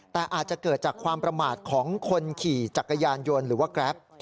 แต่อาจจะเกิดจากความประมาทของคนขี่จักรยานยนต์หรือว่าแกรป